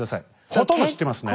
ほとんど知ってますね。